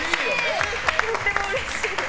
とってもうれしいです。